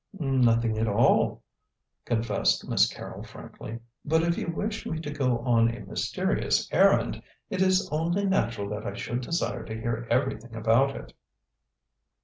"Nothing at all," confessed Miss Carrol frankly; "but if you wish me to go on a mysterious errand, it is only natural that I should desire to hear everything about it."